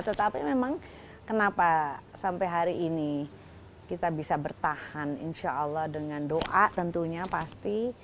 tetapi memang kenapa sampai hari ini kita bisa bertahan insya allah dengan doa tentunya pasti